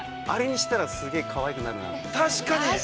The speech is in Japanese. あれにしたらすごく、かわいくなるのに。